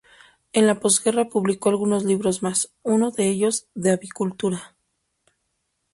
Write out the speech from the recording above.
En la posguerra publicó algunos libros más, uno de ellos de avicultura.